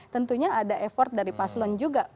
tentunya ada effort dari paslon juga